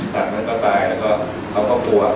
จากนั้นก็ตายแล้วก็เขาก็กลัว